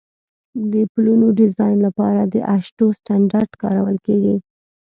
د پلونو ډیزاین لپاره د اشټو سټنډرډ کارول کیږي